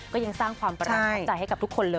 ก็ยังสร้างความประทับใจให้กับทุกคนเลย